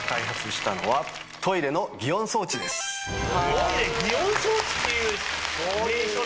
トイレ擬音装置っていう名称なんだ。